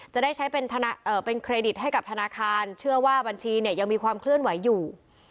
จะได้ใช้เป็นเครดิตให้กับธนาคารเชื่อว่าบัญชีเนี่ยยังมีความเคลื่อนไหวอยู่